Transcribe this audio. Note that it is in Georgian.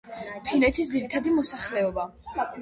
ფინეთის ძირითადი მოსახლეობა.